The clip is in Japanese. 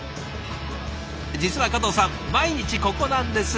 実は加藤さん毎日ここなんです。